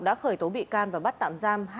đã khởi tố bị can và bắt tạm giam